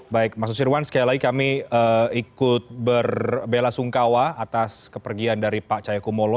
baik mas nusirwan sekali lagi kami ikut berbela sungkawa atas kepergian dari pak cahyokumolo